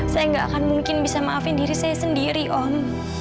saya nggak akan mungkin bisa maafin diri saya sendiri om